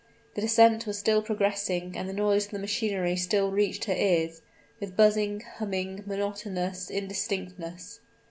The descent was still progressing and the noise of the machinery still reached her ears, with buzzing, humming, monotonous indistinctness.